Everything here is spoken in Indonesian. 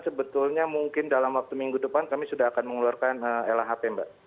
sebetulnya mungkin dalam waktu minggu depan kami sudah akan mengeluarkan lhp mbak